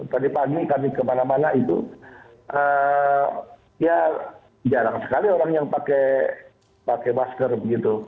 tadi pagi kami kemana mana itu ya jarang sekali orang yang pakai masker begitu